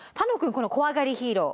この「こわがりヒーロー」